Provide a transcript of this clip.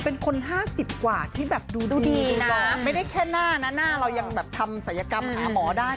เป็นคน๕๐กว่าที่แบบดูดีนะไม่ได้แค่หน้านะหน้าเรายังแบบทำศัยกรรมหาหมอได้